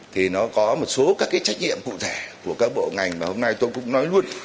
thì nó có một số các cái trách nhiệm cụ thể của các bộ ngành mà hôm nay tôi cũng nói luôn